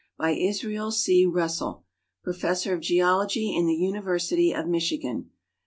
By Israel C. Russell, Professor of Geology in the University of Michigan.